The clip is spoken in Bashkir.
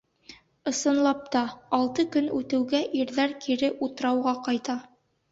Ысынлап та, алты көн үтеүгә ирҙәр кире утрауға ҡайта.